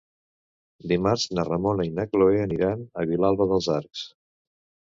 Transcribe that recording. Dimarts na Ramona i na Cloè aniran a Vilalba dels Arcs.